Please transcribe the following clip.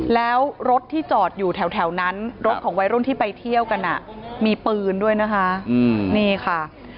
แล้วรถที่จอดอยู่แถวนั้นรถของวัยรุ่นที่ไปเที่ยวกันมีปืนด้วยนะคะนี่ค่ะ